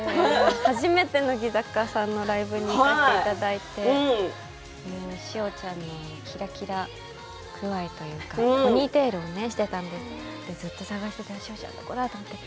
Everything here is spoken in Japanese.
初めて乃木坂さんのライブに行かせていただいてしおちゃんのキラキラ具合というかポニーテールをしていたんですけれどもずっとしおちゃんどこだ？って。